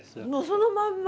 そのまんま？